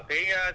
tỉnh yên bái